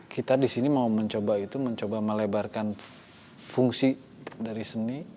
kita disini mau mencoba melebarkan fungsi dari seni